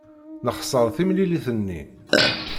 Nexṣer timlilit-nni.